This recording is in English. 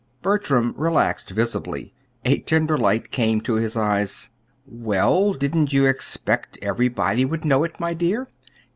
Bertram relaxed visibly. A tender light came to his eyes. "Well, didn't you expect everybody would know it, my dear?"